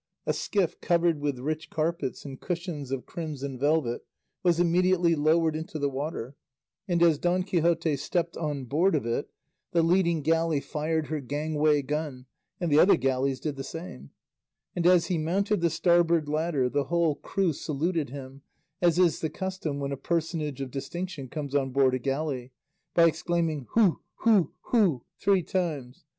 A skiff covered with rich carpets and cushions of crimson velvet was immediately lowered into the water, and as Don Quixote stepped on board of it, the leading galley fired her gangway gun, and the other galleys did the same; and as he mounted the starboard ladder the whole crew saluted him (as is the custom when a personage of distinction comes on board a galley) by exclaiming "Hu, hu, hu," three times.